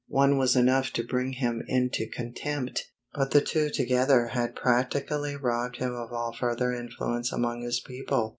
One was enough to bring him into contempt, but the two together practically robbed him of all further influence among his people.